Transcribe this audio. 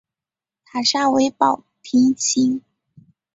塔刹为宝瓶形。